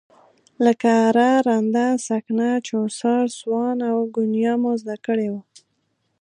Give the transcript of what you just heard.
لکه اره، رنده، سکنه، چوسار، سوان او ګونیا مو زده کړي وو.